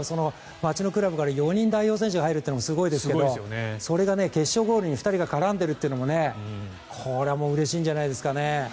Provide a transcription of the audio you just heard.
街のクラブから４人代表選手が入るというのもすごいですがそれが決勝ゴールに２人が絡んでいるというのもこれはうれしいんじゃないですかね。